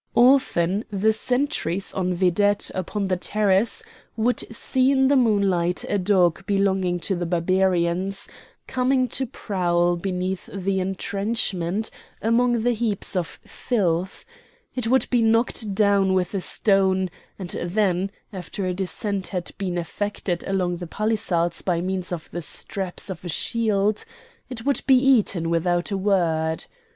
Often the sentries on vedette upon the terrace would see in the moonlight a dog belonging to the Barbarians coming to prowl beneath the entrenchment among the heaps of filth; it would be knocked down with a stone, and then, after a descent had been effected along the palisades by means of the straps of a shield, it would be eaten without a word.